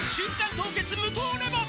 凍結無糖レモン」